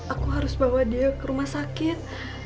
aku harus bawa dia ke rumah sakit